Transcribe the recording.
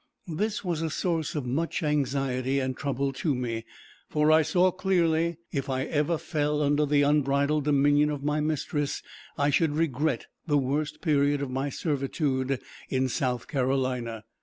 This was a source of much anxiety and trouble to me, for I saw clearly, if I ever fell under the unbridled dominion of my mistress, I should regret the worst period of my servitude in South Carolina.